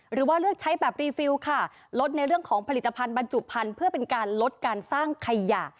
หรือว่าเลือกใช้แบบรีฟิลค่ะลดในเรื่องของผลิตภัณฑ์บรรจุพันธุ์เพื่อเป็นการลดการสร้างขยะ